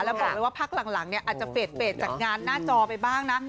แล้วบอกเลยว่าพักหลังเนี่ยอาจจะเฟสจากงานหน้าจอไปบ้างนะ